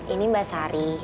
ini mbak sari